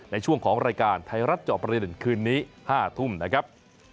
ในช่วงของรายการไทยรัฐจอบประเด็นคืนนี้๕ทุ่มนะครับ